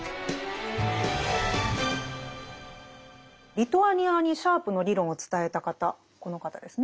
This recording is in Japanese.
リトアニアにシャープの理論を伝えた方この方ですね